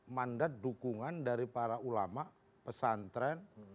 mandat dukungan dari para ulama pesantren